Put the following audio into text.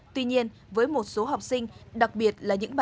tuy nhiên với một số học sinh đặc biệt là những bà con